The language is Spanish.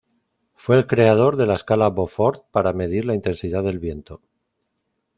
Fue el creador de la Escala Beaufort para medir la intensidad del viento.